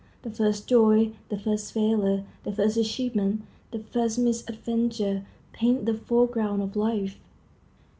The first joy, the first failure, the first achievement, the first misadventure, paint the foreground of life.